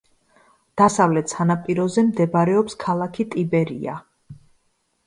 დასავლეთ სანაპიროზე მდებარეობს ქალაქი ტიბერია.